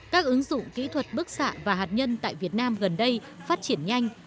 các ứng dụng kỹ thuật bức xạ và hạt nhân tại việt nam gần đây phát triển nhanh